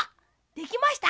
できました？